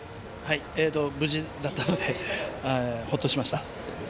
無事だったのでほっとしました。